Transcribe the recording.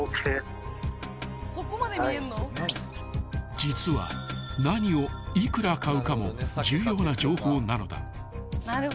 ［実は何をいくら買うかも重要な情報なのだ］